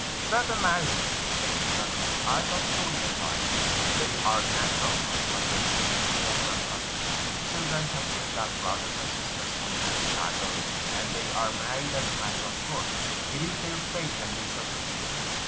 Certain marriages take place because in the eyes of the Orientals they are natural ones, such as the union of first cousins. The children have been like brother and sister from the cradle, and they are married as a matter of course; it is their fate, and they submit to it.